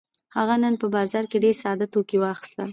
هغه نن په بازار کې ډېر ساده توکي واخيستل.